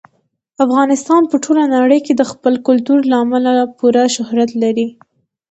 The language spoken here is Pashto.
افغانستان په ټوله نړۍ کې د خپل کلتور له امله پوره شهرت لري.